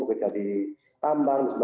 kerja di tambang